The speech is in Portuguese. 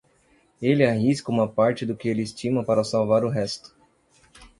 Ele arrisca uma parte do que ele estima para salvar o resto.